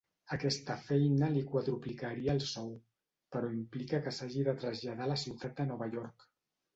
Aquesta feina li quadruplicaria el sou, però implica que s'hagi de traslladar a la ciutat de Nova York.